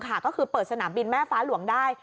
ก็คือเปิดสนามบินแม่ฟ้าหลวงได้